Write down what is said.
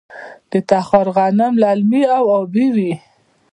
د تخار غنم للمي او ابي وي.